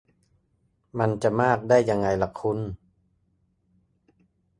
มันจะมากได้ยังไงล่ะคุณ -_